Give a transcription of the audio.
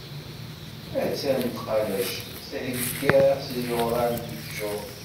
A-tt-an tqabact thegga s iẓuran n ṭṭjuṛ.